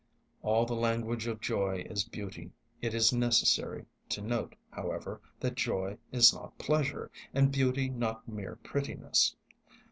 All the language of joy is beauty. It is necessary to note, however, that joy is not pleasure, and beauty not mere prettiness.